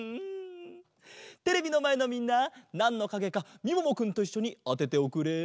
テレビのまえのみんななんのかげかみももくんといっしょにあてておくれ！